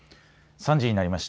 ３時になりました。